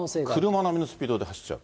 車並みのスピードで走っちゃう。